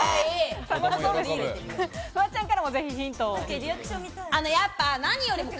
フワちゃんからも、ぜひヒントを。